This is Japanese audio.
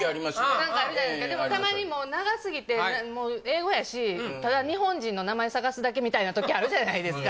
何かあるじゃないですかでもたまにもう長すぎて英語やしただ日本人の名前探すだけみたいな時あるじゃないですか